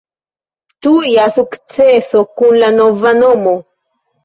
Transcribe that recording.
Tuja sukceso kun la nova nomo.